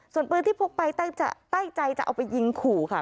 ส่วนปืนที่พกไปตั้งใจจะเอาไปยิงขู่ค่ะ